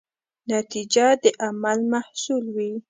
نتیجه د عمل محصول وي.